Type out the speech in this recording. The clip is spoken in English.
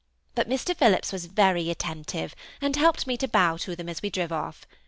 But Mr. Phillips was very attentive, and helped me to bow to them as we driv off.